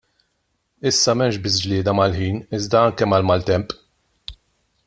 Issa m'hemmx biss glieda mal-ħin iżda anke mal-maltemp.